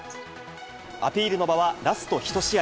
アピールの場はラスト１試合。